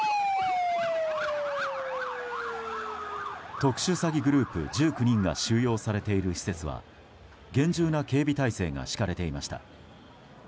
特殊詐欺グループ１９人が収容されている施設は厳重な警備体制が敷かれていました。